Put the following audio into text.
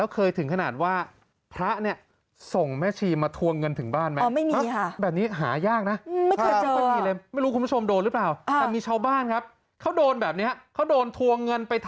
เคยค่ะชอบด้วย